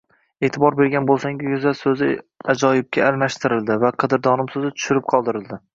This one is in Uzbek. Eʼtibor bergan boʻlsangiz, goʻzal soʻzi ajoyibga alishtirildi va qadrdonim soʻzi tushirib qoldirildi